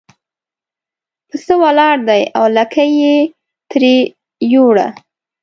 پسه ولاړ دی او لکۍ یې ترې یووړه.